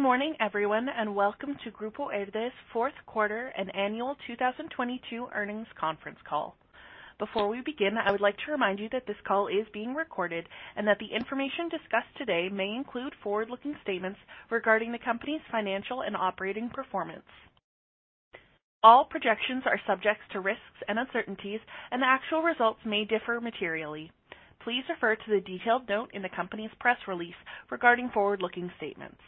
Good morning, everyone. Welcome to Grupo Herdez Fourth Quarter and Annual 2022 Earnings Conference Call. Before we begin, I would like to remind you that this call is being recorded, that the information discussed today may include forward-looking statements regarding the company's financial and operating performance. All projections are subject to risks and uncertainties. Actual results may differ materially. Please refer to the detailed note in the company's press release regarding forward-looking statements.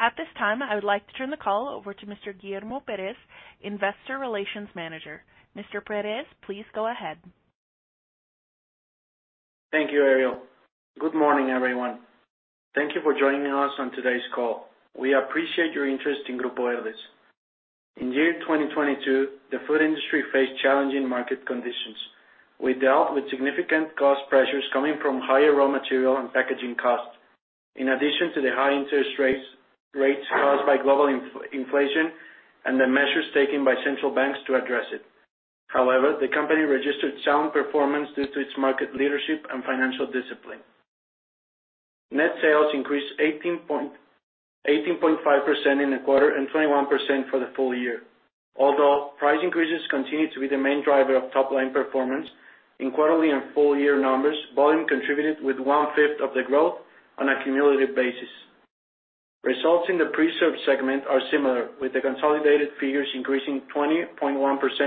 At this time, I would like to turn the call over to Mr. Guillermo Pérez, investor relations manager. Mr. Pérez, please go ahead. Thank you, Ariel. Good morning, everyone. Thank you for joining us on today's call. We appreciate your interest in Grupo Herdez. In year 2022, the food industry faced challenging market conditions. We dealt with significant cost pressures coming from higher raw material and packaging costs, in addition to the high interest rates caused by global inflation and the measures taken by central banks to address it. However, the company registered sound performance due to its market leadership and financial discipline. Net sales increased 18.5% in the quarter and 21% for the full year. Although price increases continued to be the main driver of top-line performance in quarterly and full year numbers, volume contributed with 1/5 of the growth on a cumulative basis. Results in the preserved segment are similar, with the consolidated figures increasing 20.1%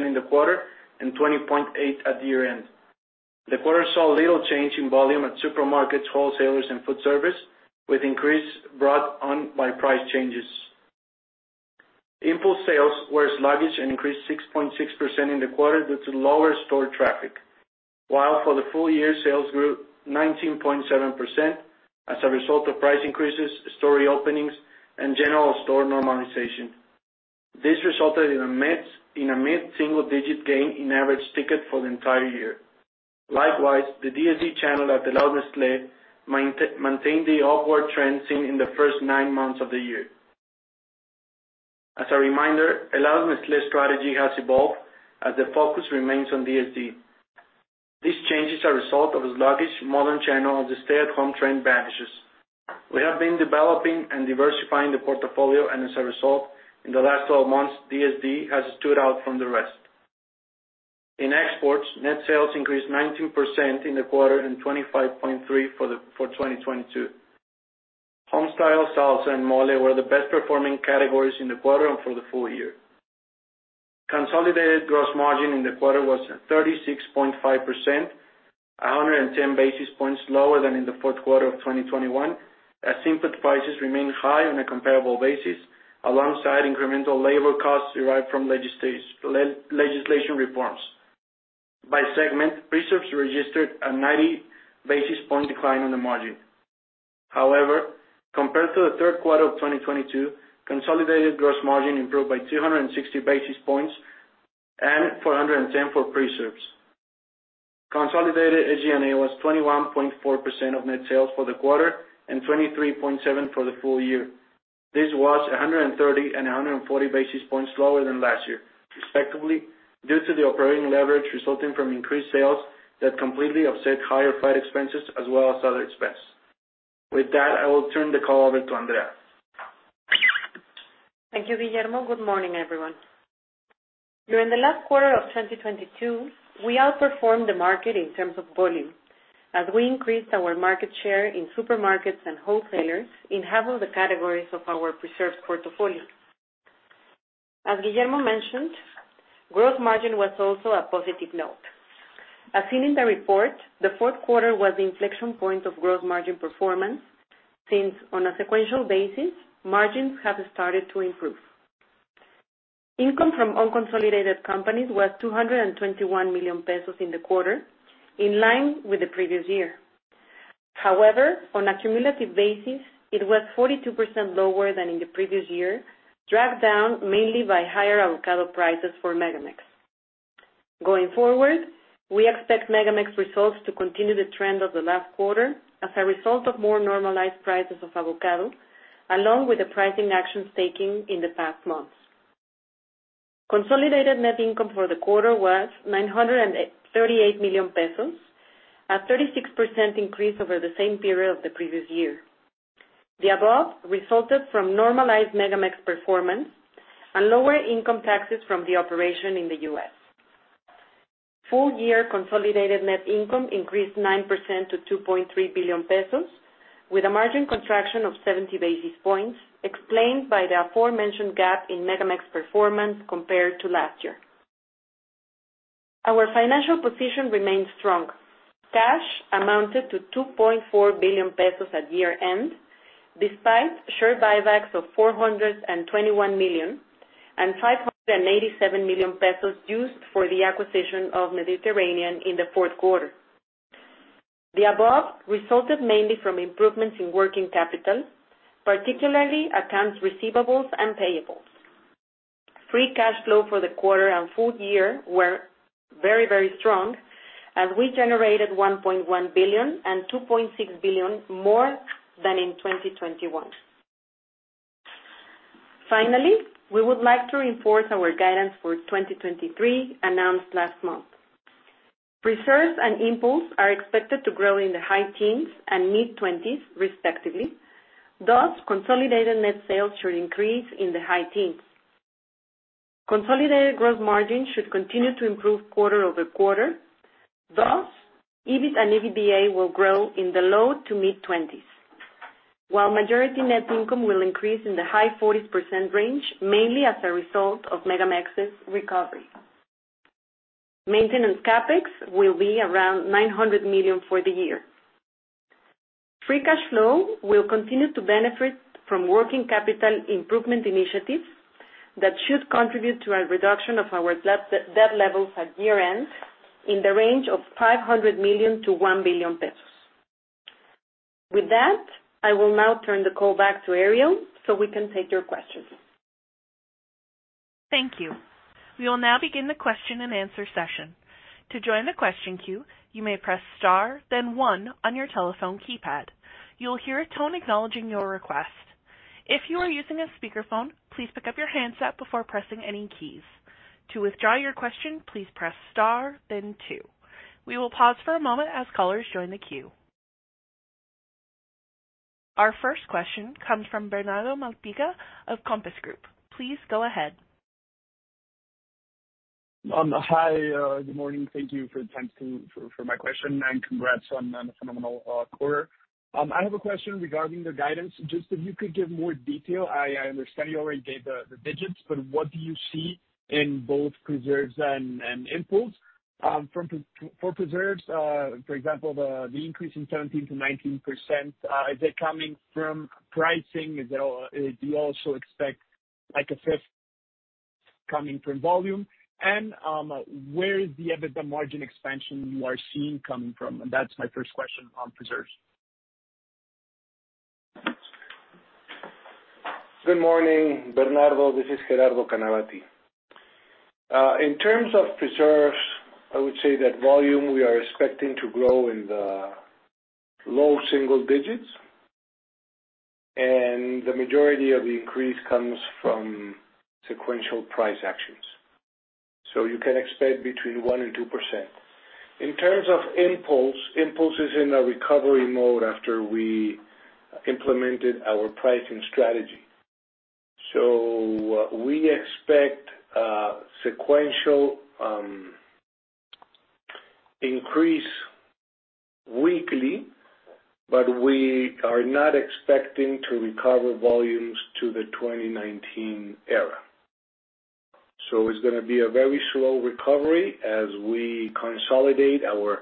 in the quarter and 20.8% at year-end. The quarter saw little change in volume at supermarkets, wholesalers, and food service, with increase brought on by price changes. Impulse sales were sluggish and increased 6.6% in the quarter due to lower store traffic, while for the full year, sales grew 19.7% as a result of price increases, store openings, and general store normalization. This resulted in a mid-single digit gain in average ticket for the entire year. Likewise, the DSD channel at Helados Nestlé, maintained the upward trend seen in the first nine months of the year. As a reminder, Helados Nestlé, strategy has evolved as the focus remains on DSD. This change is a result of a sluggish modern channel as the stay-at-home trend vanishes. We have been developing and diversifying the portfolio, as a result, in the last 12 months, DSD has stood out from the rest. In exports, net sales increased 19% in the quarter and 25.3 for 2022. Homestyle salsa and mole were the best performing categories in the quarter and for the full year. Consolidated gross margin in the quarter was 36.5%, 110 basis points lower than in the fourth quarter of 2021, as input prices remained high on a comparable basis, alongside incremental labor costs derived from legislation reforms. By segment, preserves registered a 90 basis point decline in the margin. Compared to the third quarter of 2022, consolidated gross margin improved by 260 basis points and 410 for preserves. Consolidated SG&A was 21.4% of net sales for the quarter and 23.7% for the full year. This was 130 and 140 basis points lower than last year, respectively, due to the operating leverage resulting from increased sales that completely offset higher freight expenses as well as other expense. I will turn the call over to Andrea. Thank you, Guillermo. Good morning, everyone. During the last quarter of 2022, we outperformed the market in terms of volume as we increased our market share in supermarkets and wholesalers in half of the categories of our preserves portfolio. As Guillermo mentioned, growth margin was also a positive note. As seen in the report, the fourth quarter was the inflection point of growth margin performance since on a sequential basis, margins have started to improve. Income from unconsolidated companies was 221 million pesos in the quarter, in line with the previous year. On a cumulative basis, it was 42% lower than in the previous year, dragged down mainly by higher avocado prices for MegaMex. Going forward, we expect MegaMex results to continue the trend of the last quarter as a result of more normalized prices of avocado, along with the pricing actions taken in the past months. Consolidated net income for the quarter was 938 million pesos, a 36% increase over the same period of the previous year. The above resulted from normalized MegaMex performance and lower income taxes from the operation in the U.S. Full year consolidated net income increased 9% to 2.3 billion pesos with a margin contraction of 70 basis points explained by the aforementioned gap in MegaMex performance compared to last year. Our financial position remains strong. Cash amounted to 2.4 billion pesos at year-end, despite share buybacks of 421 million and 587 million pesos used for the acquisition of Mediterráneo in the fourth quarter. The above resulted mainly from improvements in working capital, particularly accounts receivables and payables. Free cash flow for the quarter and full year were very, very strong as we generated 1.1 billion and 2.6 billion more than in 2021. We would like to reinforce our guidance for 2023 announced last month. Preserves and impulse are expected to grow in the high teens and mid-20s respectively. Consolidated net sales should increase in the high teens. Consolidated gross margin should continue to improve quarter-over-quarter. EBIT and EBITDA will grow in the low to mid-20s, while majority net income will increase in the high 40% range, mainly as a result of MegaMex's recovery. Maintenance CapEx will be around 900 million for the year. Free cash flow will continue to benefit from working capital improvement initiatives that should contribute to a reduction of our debt levels at year-end in the range of 500 million-1 billion pesos. With that, I will now turn the call back to Ariel, we can take your questions. Thank you. We will now begin the question and answer session. To join the question queue, you may press Star, then one on your telephone keypad. You will hear a tone acknowledging your request. If you are using a speakerphone, please pick up your handset before pressing any keys. To withdraw your question, please press Star then two. We will pause for a moment as callers join the queue. Our first question comes from Bernardo Malpica of Compass Group. Please go ahead. Hi, good morning. Thank you for the time for my question, congrats on the phenomenal quarter. I have a question regarding the guidance. Just if you could give more detail. I understand you already gave the digits, but what do you see in both preserves and impulse? From preserves, for example, the increase in 17%-19%, is it coming from pricing? Do you also expect like a fifth coming from volume? Where is the EBITDA margin expansion you are seeing coming from? That's my first question on preserves. Good morning, Bernardo. This is Gerardo Canavati. In terms of preserves, I would say that volume we are expecting to grow in the low single digits, and the majority of the increase comes from sequential price actions. You can expect between 1% and 2%. In terms of impulse is in a recovery mode after we implemented our pricing strategy. We expect, sequential, increase weekly, but we are not expecting to recover volumes to the 2019 era. It's gonna be a very slow recovery as we consolidate our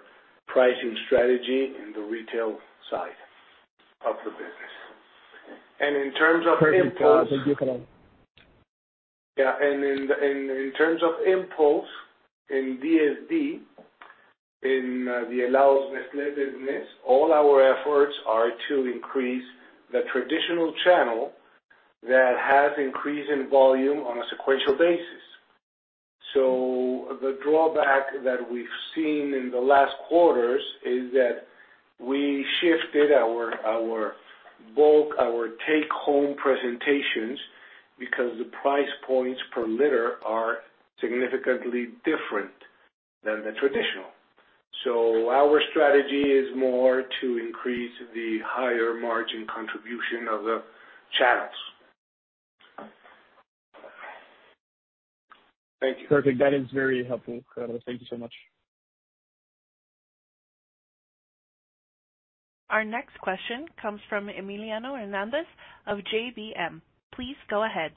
pricing strategy in the retail side of the business. In terms of impulse- Perfect. Thank you, Gerardo. Yeah. In terms of impulse in DSD, in the allowance business, all our efforts are to increase the traditional channel that has increase in volume on a sequential basis. The drawback that we've seen in the last quarters is that we shifted our bulk, our take-home presentations because the price points per liter are significantly different than the traditional. Our strategy is more to increase the higher margin contribution of the channels. Thank you. Perfect. That is very helpful, Gerardo. Thank you so much. Our next question comes from Emiliano Hernández of GBM. Please go ahead.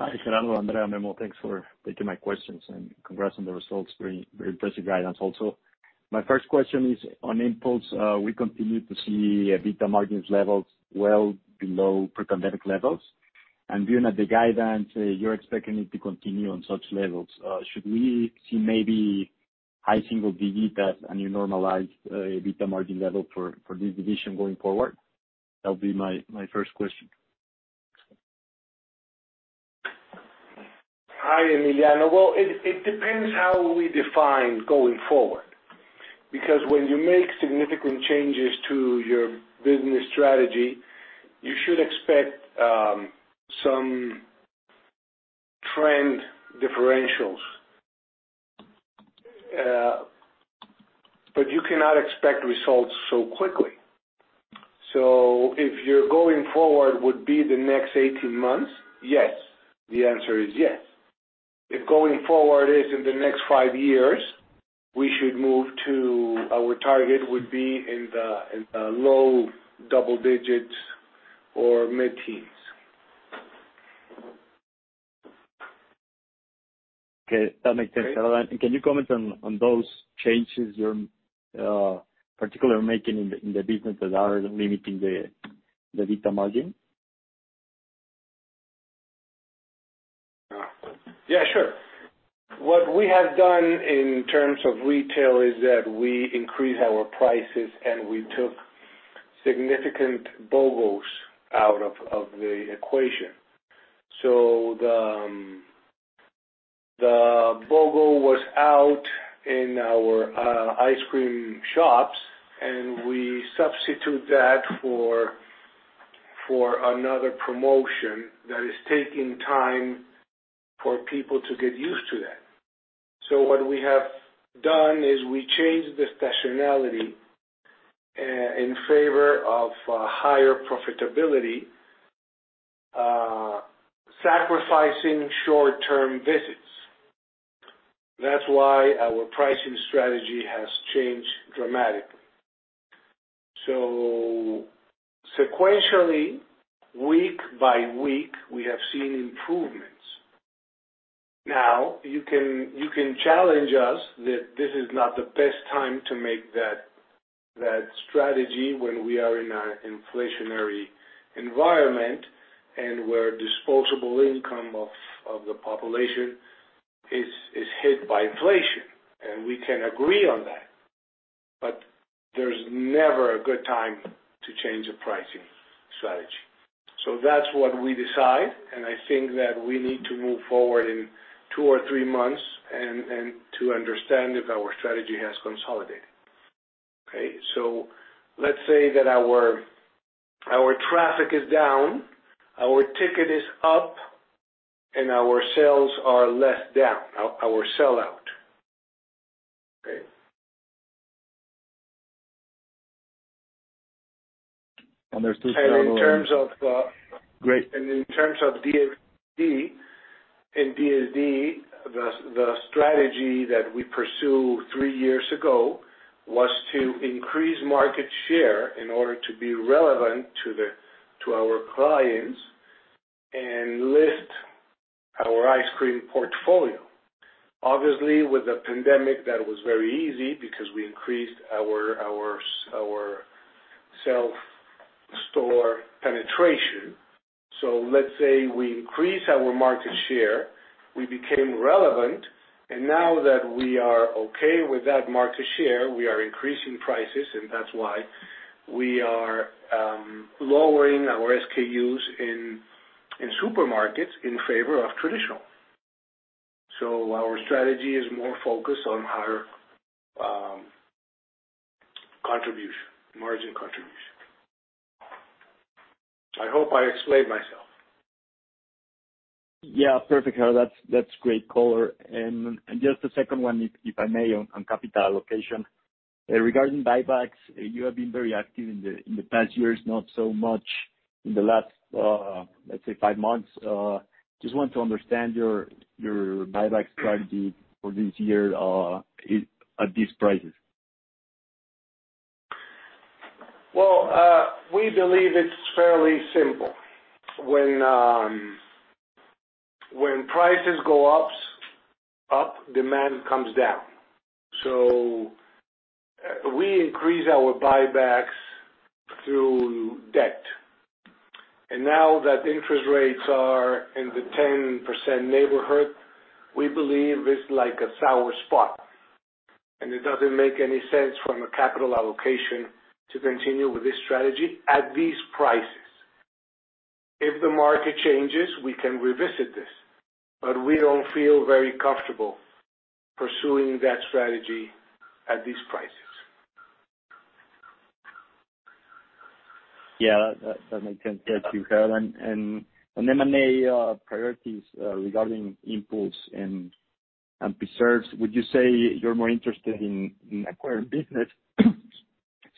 Hi, Gerardo, Andrea, Memo. Thanks for taking my questions, and congrats on the results. Very impressive guidance also. My first question is on impulse. We continue to see EBITDA margins levels well below pre-pandemic levels. Given that the guidance, you're expecting it to continue on such levels, should we see maybe high single digits and you normalize EBITDA margin level for this division going forward? That would be my first question. Hi, Emiliano. Well, it depends how we define going forward, because when you make significant changes to your business strategy, you should expect some trend differentials. You cannot expect results so quickly. If you're going forward would be the next 18 months, yes. The answer is yes. If going forward is in the next five years, we should move to our target would be in the low double digits or mid-teens. Okay, that makes sense. Okay. Gerardo, can you comment on those changes you're particularly making in the business that are limiting the EBITDA margin? Yeah, sure. What we have done in terms of retail is that we increased our prices, and we took significant BOGOs out of the equation. The BOGO was out in our ice cream shops, and we substitute that for another promotion that is taking time for people to get used to that. What we have done is we changed the seasonality in favor of higher profitability, sacrificing short-term visits. That's why our pricing strategy has changed dramatically. Sequentially, week by week, we have seen improvements. Now, you can challenge us that this is not the best time to make that strategy when we are in an inflationary environment and where disposable income of the population is hit by inflation, and we can agree on that. There's never a good time to change a pricing strategy. That's what we decide, and I think that we need to move forward in two or three months and to understand if our strategy has consolidated. Okay? Let's say that our traffic is down, our ticket is up, and our sales are less down, our sellout. Okay? There's still. In terms of. Great. In terms of DSD, the strategy that we pursue three years ago was to increase market share in order to be relevant to our clients and lift our ice cream portfolio. Obviously, with the pandemic, that was very easy because we increased our self-store penetration. Let's say we increase our market share, we became relevant, and now that we are okay with that market share, we are increasing prices, and that's why we are lowering our SKUs in supermarkets in favor of traditional. Our strategy is more focused on higher contribution, margin contribution. I hope I explained myself. Yeah, perfect, Gerardo. That's great color. Just the second one, if I may, on capital allocation. Regarding buybacks, you have been very active in the past years, not so much in the last, let's say five months. Just want to understand your buyback strategy for this year, at these prices. Well, we believe it's fairly simple. When prices go up, demand comes down. We increase our buybacks through debt. Now that interest rates are in the 10% neighborhood, we believe it's like a sour spot. It doesn't make any sense from a capital allocation to continue with this strategy at these prices. If the market changes, we can revisit this, but we don't feel very comfortable pursuing that strategy at these prices. Yeah, that makes sense to Gerardo. On M&A priorities regarding inputs and preserves, would you say you're more interested in acquiring business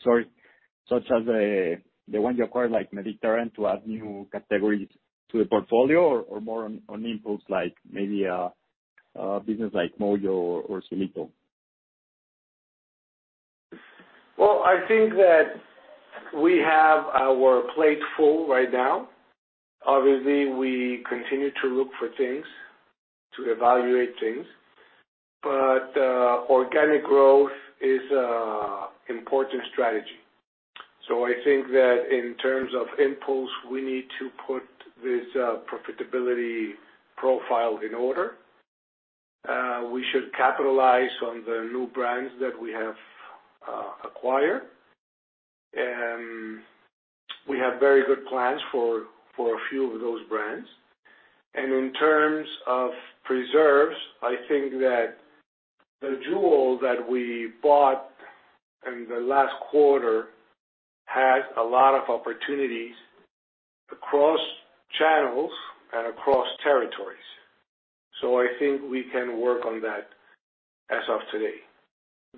such as the one you acquired, like Mediterranean, to add new categories to the portfolio or more on inputs like maybe a business like Moyo or Cielito? Well, I think that we have our plate full right now. Obviously, we continue to look for things, to evaluate things. Organic growth is a important strategy. I think that in terms of impulse, we need to put this profitability profile in order. We should capitalize on the new brands that we have acquired. We have very good plans for a few of those brands. In terms of preserves, I think that the jewel that we bought in the last quarter has a lot of opportunities across channels and across territories. I think we can work on that as of today.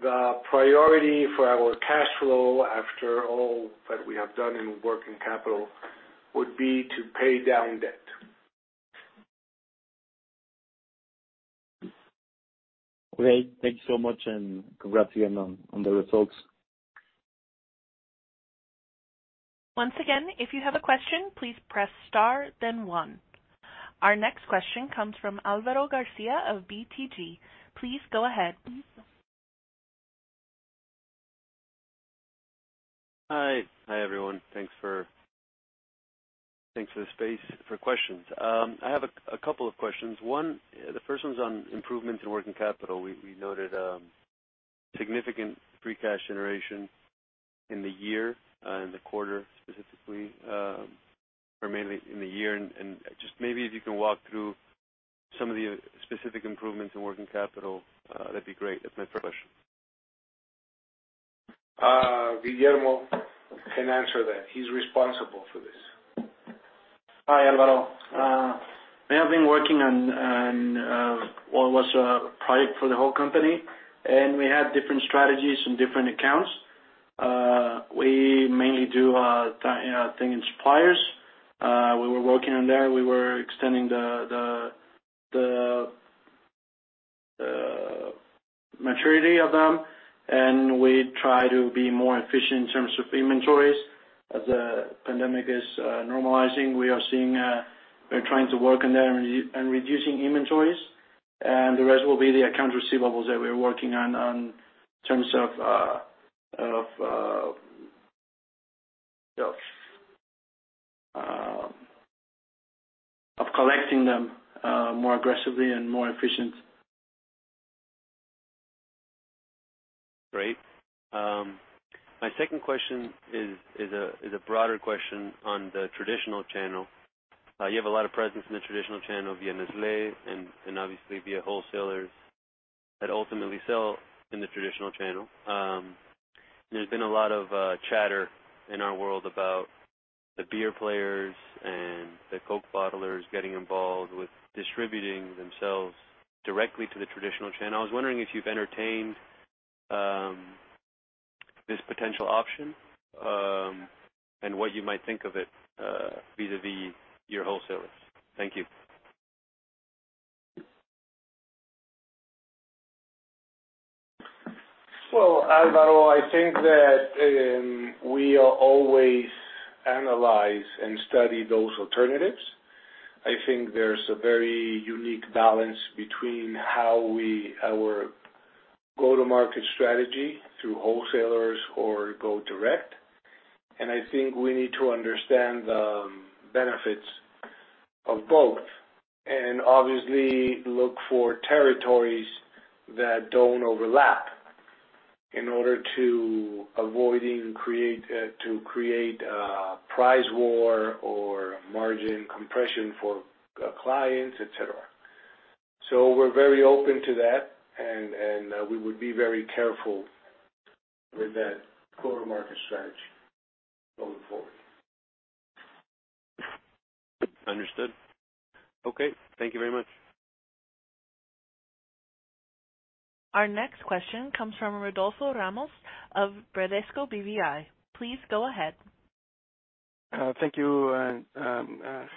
The priority for our cash flow, after all that we have done in working capital, would be to pay down debt. Great. Thank you so much, and congrats again on the results. Once again, if you have a question, please press star then one. Our next question comes from Álvaro García of BTG. Please go ahead. Hi. Hi, everyone. Thanks for the space for questions. I have a couple of questions. One, the first one's on improvements in working capital. We noted significant free cash generation in the year, in the quarter specifically, or mainly in the year. Just maybe if you can walk through some of the specific improvements in working capital, that'd be great. That's my first question. Guillermo can answer that. He's responsible for this. Hi, Álvaro. We have been working on what was planned for the whole company, and we had different strategies and different accounts. We mainly do thing in suppliers. We were working on that. We were extending the maturity of them, and we try to be more efficient in terms of inventories. As the pandemic is normalizing, we are seeing we're trying to work on them and reducing inventories. The rest will be the accounts receivables that we're working on terms of collecting them more aggressively and more efficient. Great. My second question is a broader question on the traditional channel. You have a lot of presence in the traditional channel via Nestlé and obviously via wholesalers that ultimately sell in the traditional channel. There's been a lot of chatter in our world about the beer players and the Coke bottlers getting involved with distributing themselves directly to the traditional channel. I was wondering if you've entertained this potential option and what you might think of it vis-a-vis your wholesalers. Thank you. Well, Álvaro, I think that we always analyze and study those alternatives. I think there's a very unique balance between how our go-to-market strategy through wholesalers or go direct. I think we need to understand the benefits of both, and obviously look for territories that don't overlap in order to avoiding create, to create a price war or margin compression for clients, et cetera. We're very open to that and we would be very careful with that go-to-market strategy going forward. Understood. Okay, thank you very much. Our next question comes from Rodolfo Ramos of Bradesco BBI. Please go ahead. Thank you,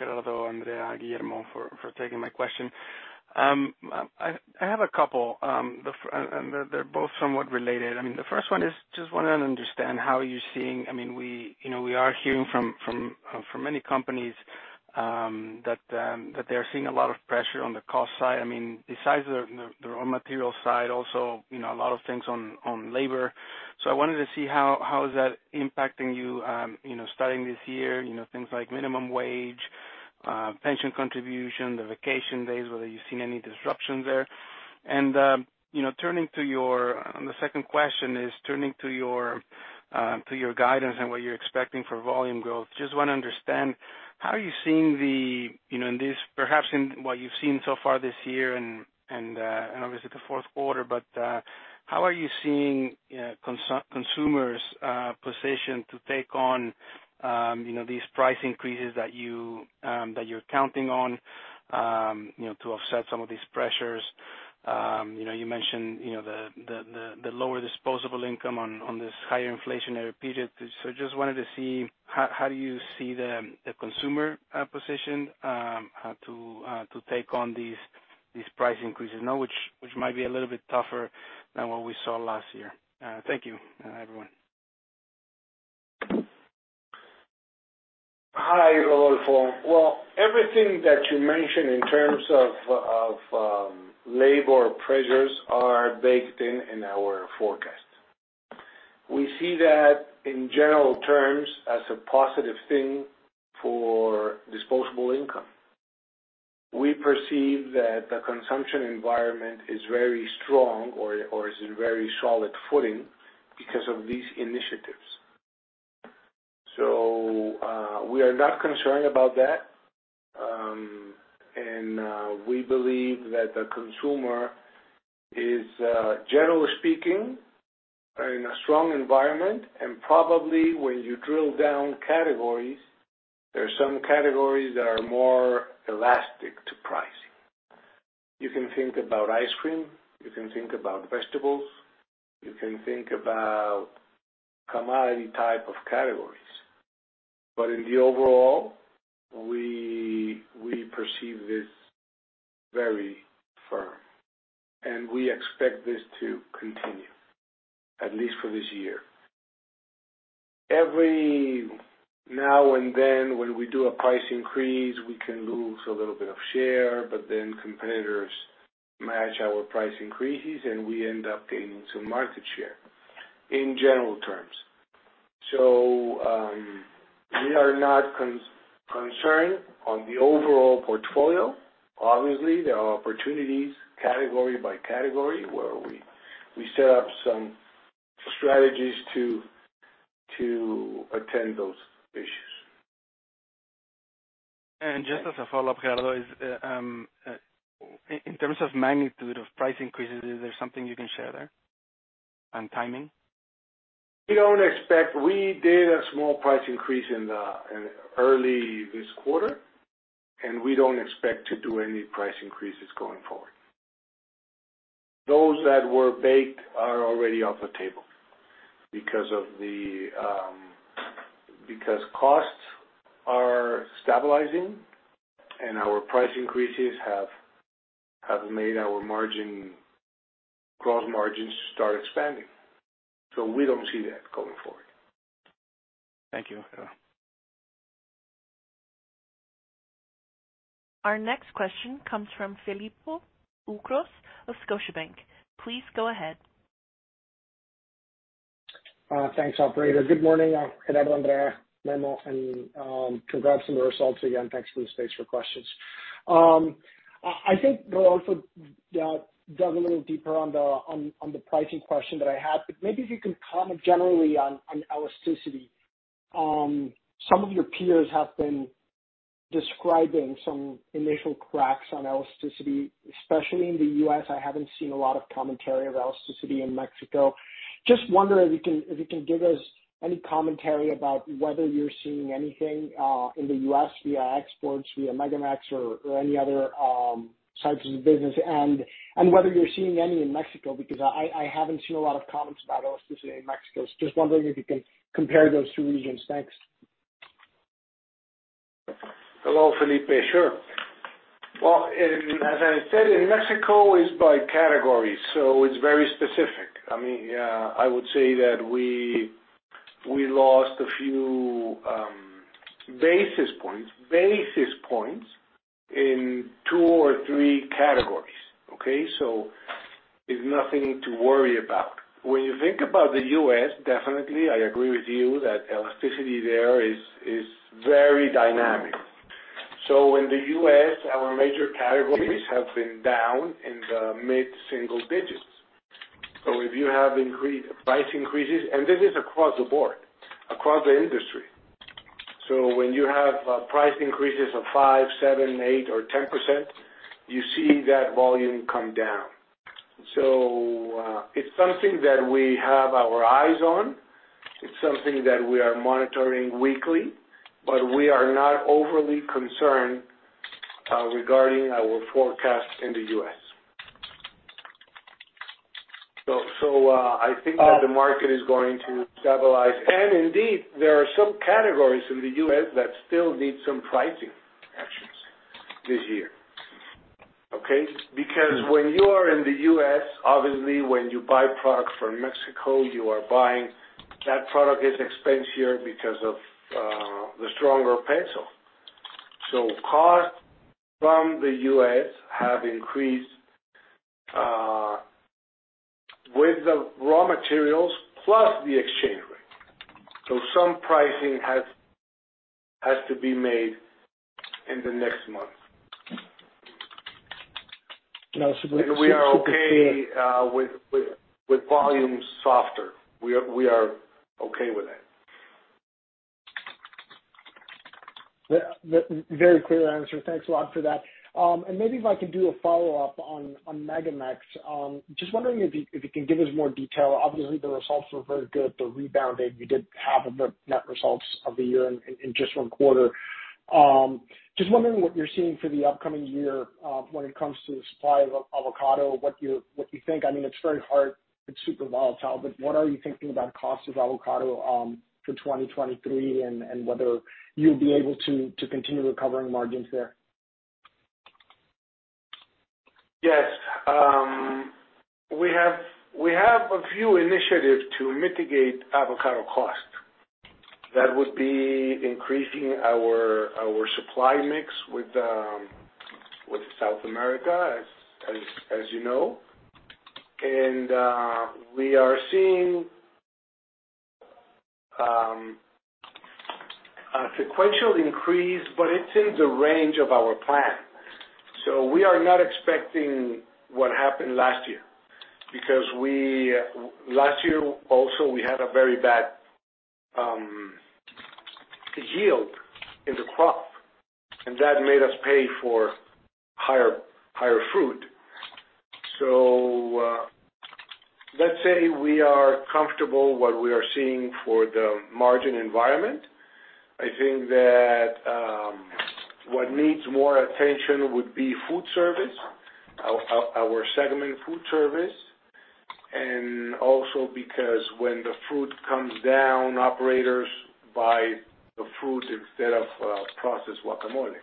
Gerardo, Andrea, Guillermo for taking my question. I have a couple, and they're both somewhat related. I mean, the first one is just wanna understand how you're seeing. I mean, we, you know, we are hearing from many companies that they're seeing a lot of pressure on the cost side. I mean, besides the raw material side also, you know, a lot of things on labor. I wanted to see how is that impacting you know, starting this year, you know, things like minimum wage, pension contribution, the vacation days, whether you've seen any disruptions there. You know, turning to your... The second question is turning to your guidance and what you're expecting for volume growth. Just wanna understand how are you seeing the, you know, in this perhaps in what you've seen so far this year and obviously the fourth quarter, but how are you seeing consumers position to take on, you know, these price increases that you're counting on, you know, to offset some of these pressures? You mentioned, you know, the lower disposable income on this higher inflationary period. Just wanted to see how do you see the consumer position to take on these price increases now which might be a little bit tougher than what we saw last year. Thank you everyone. Hi, Rodolfo. Everything that you mentioned in terms of labor pressures are baked in in our forecast. We see that in general terms as a positive thing for disposable income. We perceive that the consumption environment is very strong or is in very solid footing because of these initiatives. We are not concerned about that. We believe that the consumer is generally speaking in a strong environment, and probably when you drill down categories, there are some categories that are more elastic to pricing. You can think about ice cream, you can think about vegetables, you can think about commodity type of categories. In the overall, we perceive this very firm, and we expect this to continue, at least for this year. Every now and then when we do a price increase, we can lose a little bit of share, but then competitors match our price increases, and we end up gaining some market share in general terms. We are not concerned on the overall portfolio. Obviously, there are opportunities category by category where we set up some strategies to attend those issues. Just as a follow-up, Gerardo, is, in terms of magnitude of price increases, is there something you can share there, on timing? We did a small price increase in the early this quarter. We don't expect to do any price increases going forward. Those that were baked are already off the table because of the because costs are stabilizing and our price increases have made our margin, gross margins start expanding. We don't see that going forward. Thank you. Our next question comes from Felipe Ucros of Scotiabank. Please go ahead. Thanks operator. Good morning, Gerardo, Andrea, Guillermo, and congrats on the results again. Thanks for the space for questions. I think we'll also dive a little deeper on the pricing question that I had. Maybe if you can comment generally on elasticity. Some of your peers have been describing some initial cracks on elasticity, especially in the U.S. I haven't seen a lot of commentary of elasticity in Mexico. Just wondering if you can give us any commentary about whether you're seeing anything in the U.S. via exports, via MegaMex or any other types of business, and whether you're seeing any in Mexico, because I haven't seen a lot of comments about elasticity in Mexico. Just wondering if you can compare those two regions. Thanks. Hello, Felipe. Sure. Well, as I said, in Mexico, it's by category, it's very specific. I mean, I would say that we lost a few basis points in two or three categories. Okay? It's nothing to worry about. When you think about the US, definitely, I agree with you that elasticity there is very dynamic. In the U.S., our major categories have been down in the mid-single digits. If you have price increases, and this is across the board, across the industry. When you have price increases of five, seven, eight or 10%, you see that volume come down. It's something that we have our eyes on. It's something that we are monitoring weekly, but we are not overly concerned regarding our forecast in the U.S. I think that the market is going to stabilize. Indeed, there are some categories in the U.S. that still need some pricing actions this year. Okay? Because when you are in the U.S., obviously when you buy products from Mexico, you are buying, that product is expensive because of the stronger peso. Costs from the U.S. have increased with the raw materials plus the exchange rate. Some pricing has to be made in the next month. also We are okay, with volumes softer. We are okay with that. Yeah. Very clear answer. Thanks a lot for that. Maybe if I could do a follow-up on MegaMex. Just wondering if you can give us more detail. Obviously, the results were very good. The rebounding, you did half of the net results of the year in just one quarter. Just wondering what you're seeing for the upcoming year, when it comes to the supply of avocado, what you think. I mean, it's very hard, it's super volatile, but what are you thinking about cost of avocado for 2023, and whether you'll be able to continue recovering margins there? Yes. We have a few initiatives to mitigate avocado cost. That would be increasing our supply mix with South America, as you know. We are seeing a sequential increase, but it's in the range of our plan. We are not expecting what happened last year because we last year also, we had a very bad yield in the crop, and that made us pay for higher fruit. Let's say we are comfortable what we are seeing for the margin environment. I think that what needs more attention would be food service, our segment food service, and also because when the fruit comes down, operators buy the fruit instead of processed guacamole.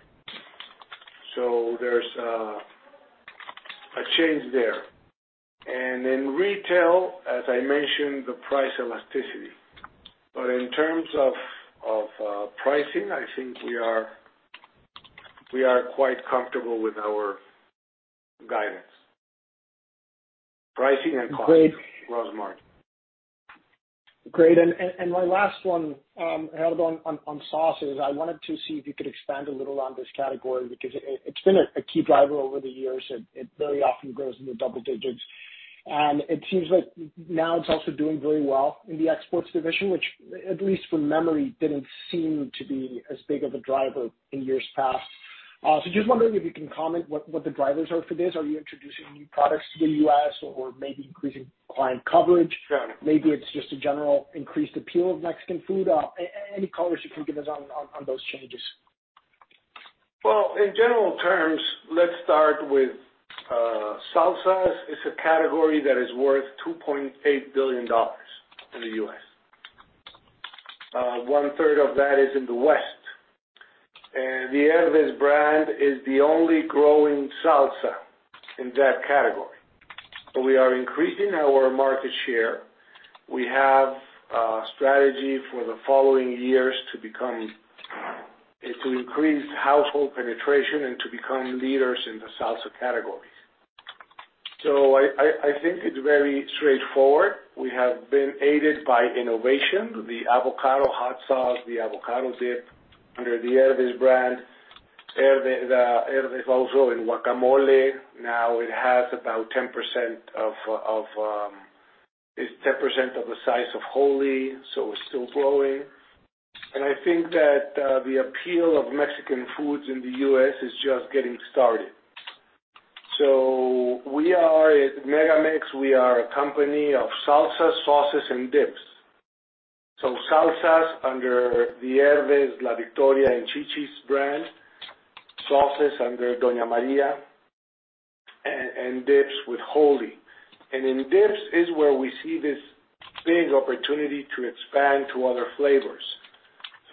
There's a change there. In retail, as I mentioned, the price elasticity. In terms of pricing, I think we are quite comfortable with our guidance. Pricing and. Great. Gross margin. Great. My last one, Gerardo, on sauces, I wanted to see if you could expand a little on this category because it's been a key driver over the years. It very often grows into double digits. It seems like now it's also doing very well in the exports division, which at least from memory, didn't seem to be as big of a driver in years past. So just wondering if you can comment what the drivers are for this? Are you introducing new products to the U.S. or maybe increasing client coverage? Sure. Maybe it's just a general increased appeal of Mexican food. Any colors you can give us on those changes? Well, in general terms, let's start with salsas. It's a category that is worth $2.8 billion in the U.S. 1/3 of that is in the West. The Herdez brand is the only growing salsa in that category. We are increasing our market share. We have a strategy for the following years to increase household penetration and to become leaders in the salsa category. I think it's very straightforward. We have been aided by innovation, the avocado hot sauce, the avocado dip under the Herdez brand. Herdez also in guacamole. Now it has about 10% of, it's 10% of the size of Wholly, so it's still growing. I think that the appeal of Mexican foods in the U.S. is just getting started. At MegaMex, we are a company of salsa, sauces, and dips. Salsas under the Herdez, La Victoria, and Chi-Chi's brand. Sauces under Doña María and dips with Wholly. In dips is where we see this big opportunity to expand to other flavors.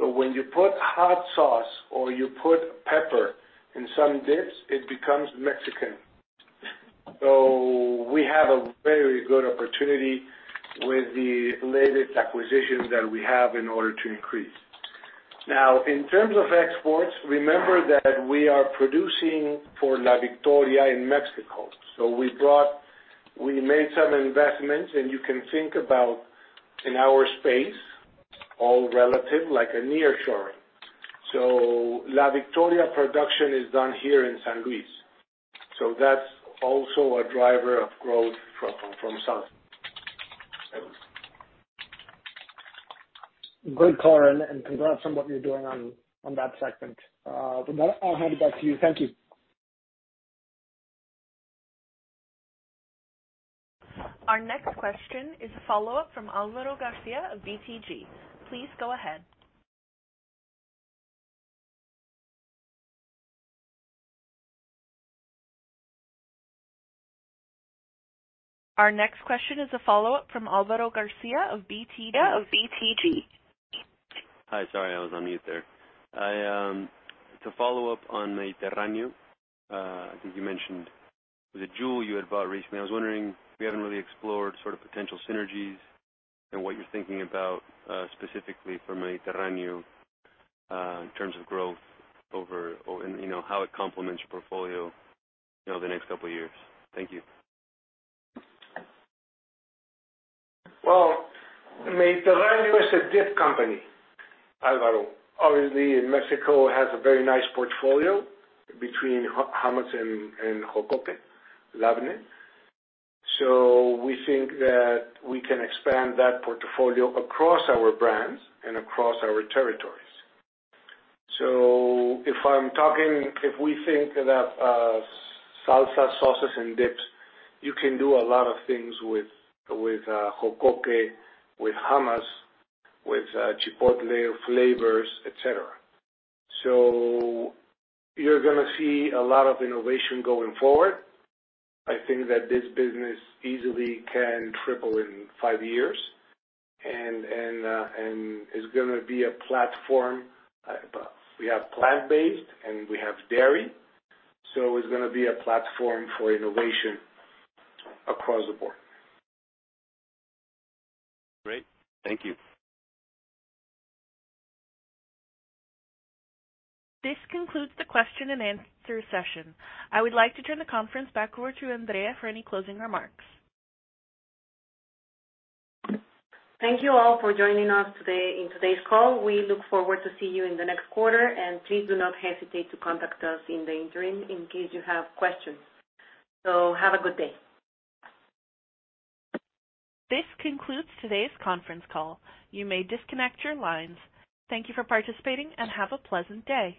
When you put hot sauce or you put pepper in some dips, it becomes Mexican. We have a very good opportunity with the latest acquisitions that we have in order to increase. Now, in terms of exports, remember that we are producing for La Victoria in Mexico. We made some investments, and you can think about in our space, all relative, like a nearshoring. La Victoria production is done here in San Luis. That's also a driver of growth from salsa. Good color, and congrats on what you're doing on that segment. With that, I'll hand it back to you. Thank you. Our next question is a follow-up from Álvaro García of BTG. Please go ahead. Yeah, of BTG. Hi. Sorry, I was on mute there. I, to follow up on Mediterráneo, I think you mentioned the jewel you had bought recently. I was wondering if you haven't really explored sort of potential synergies and what you're thinking about specifically for Mediterráneo in terms of growth. And, you know, how it complements your portfolio, you know, the next couple of years. Thank you. Well, Mediterráneo is a dip company, Álvaro. Obviously, Mexico has a very nice portfolio between hummus and Jocoque labneh. We think that we can expand that portfolio across our brands and across our territories. If I'm talking, if we think about salsa, sauces, and dips, you can do a lot of things with Jocoque, with hummus, with chipotle flavors, et cetera. You're gonna see a lot of innovation going forward. I think that this business easily can triple in five years and is gonna be a platform. We have plant-based and we have dairy, so it's gonna be a platform for innovation across the board. Great. Thank you. This concludes the question and answer session. I would like to turn the conference back over to Andrea for any closing remarks. Thank you all for joining us today in today's call. We look forward to see you in the next quarter, and please do not hesitate to contact us in the interim in case you have questions. Have a good day. This concludes today's conference call. You may disconnect your lines. Thank you for participating and have a pleasant day.